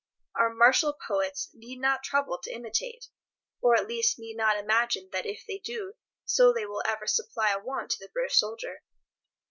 Our martial poets need not trouble to imitate—or at least need not imagine that if they do so they will ever supply a want to the British soldier.